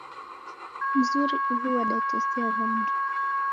Mzuri uhuu wadatesia wandu.